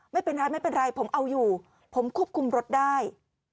ไม่เป็นไรผมเอาอยู่ผมควบคุมรถได้